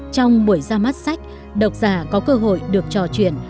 trong buổi ra mắt sách độc giả có cơ hội được trò chuyện